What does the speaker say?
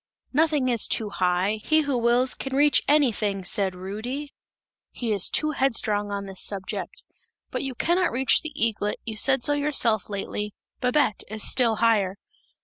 'Nothing is too high; he who wills can reach anything!' said Rudy. He is too headstrong on this subject! 'But you cannot reach the eaglet, you said so yourself lately! Babette is still higher!'